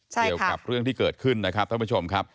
เกี่ยวกับเรื่องที่เกิดขึ้นนะครับท่านผู้ชมครับ